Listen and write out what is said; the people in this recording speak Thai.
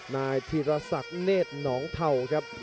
นายธีรศักดิ์เนธหนองเทาครับ